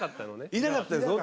いなかったです。